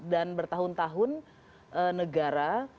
dan bertahun tahun negara